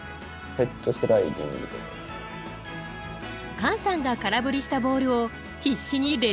カンさんが空振りしたボールを必死にレシーブする場面。